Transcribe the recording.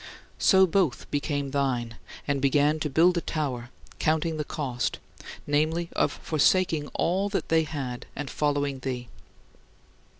So both became thine, and began to "build a tower", counting the cost namely, of forsaking all that they had and following thee.